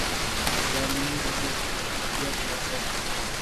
جامنی رنگ استعمال کیا گیا ہے